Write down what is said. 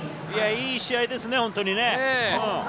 いい試合ですね、本当に。